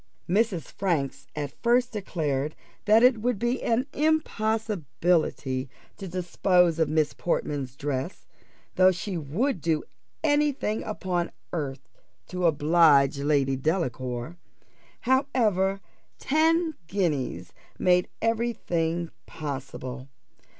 Mrs. Franks at first declared that it would be an impossibility to dispose of Miss Portman's dress, though she would do any thing upon earth to oblige Lady Delacour; however, ten guineas made every thing possible.